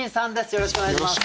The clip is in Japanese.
よろしくお願いします。